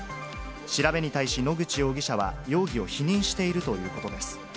調べに対し野口容疑者は容疑を否認しているということです。